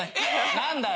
何だよ？